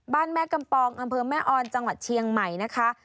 แม่กำปองอำเภอแม่ออนจังหวัดเชียงใหม่นะคะ